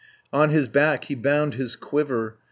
90 On his back he bound his quiver.